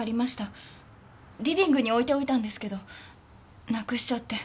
リビングに置いておいたんですけどなくしちゃって。